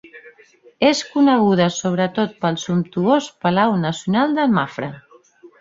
És coneguda sobretot pel sumptuós Palau Nacional de Mafra.